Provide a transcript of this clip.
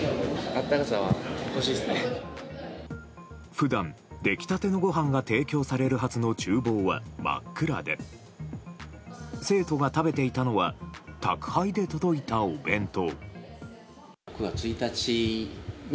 普段、できたてのご飯が提供されるはずの厨房は真っ暗で生徒が食べていたのは宅配で届いたお弁当。